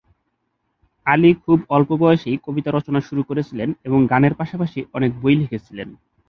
আলী খুব অল্প বয়সেই কবিতা রচনা শুরু করেছিলেন এবং গানের পাশাপাশি অনেক বই লিখেছিলেন।